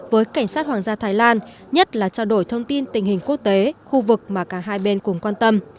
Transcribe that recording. với cảnh sát hoàng gia thái lan nhất là trao đổi thông tin tình hình quốc tế khu vực mà cả hai bên cùng quan tâm